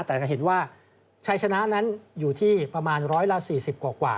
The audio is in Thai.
แต่จะเห็นว่าชัยชนะนั้นอยู่ที่ประมาณ๑๔๐กว่า